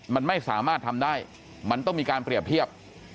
มันไม่สามารถทำได้มันต้องมีการเปรียบเทียบ